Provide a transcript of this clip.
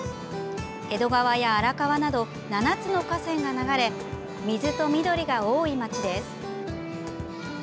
江戸川や荒川など７つの河川が流れ水と緑が多い町です。